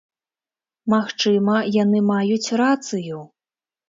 Магчыма, яны маюць рацыю.